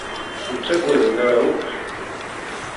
Ur ttaggaden ara akk.